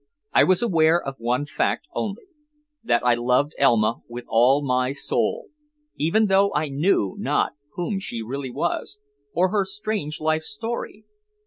I was aware of one fact only, that I loved Elma with all my soul, even though I knew not whom she really was or her strange life story.